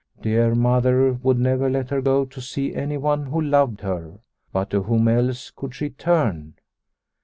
Dear Mother would never let her go to see anyone who loved her. But to whom else could she turn